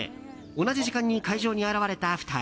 同じ時間に会場に現れた２人。